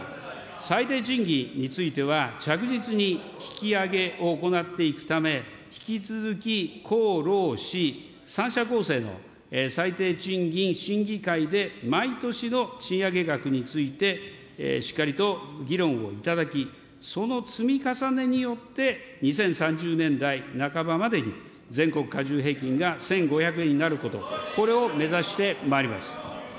最低賃金については、着実に引き上げを行っていくため、引き続きこうろうし、３者構成の最低賃金審議会の毎年の賃上げ額について、しっかりと議論をいただき、その積み重ねによって、２０３０年代半ばまでに全国加重平均が１５００円になること、これを目指してまいります。